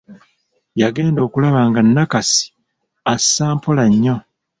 Yagenda okulaba nga Nakasi assa mpola nnyo.